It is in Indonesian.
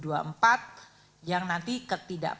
pertama apakah anggaran ini akan menyebabkan